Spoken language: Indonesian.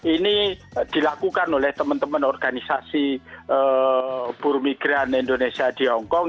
ini dilakukan oleh teman teman organisasi buru migran indonesia di hongkong